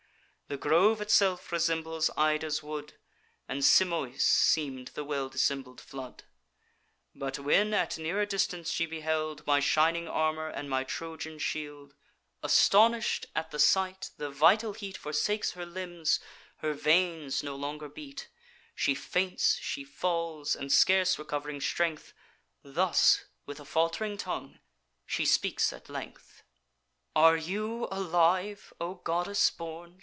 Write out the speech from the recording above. The grove itself resembles Ida's wood; And Simois seem'd the well dissembled flood. But when at nearer distance she beheld My shining armour and my Trojan shield, Astonish'd at the sight, the vital heat Forsakes her limbs; her veins no longer beat: She faints, she falls, and scarce recov'ring strength, Thus, with a falt'ring tongue, she speaks at length: "'Are you alive, O goddess born?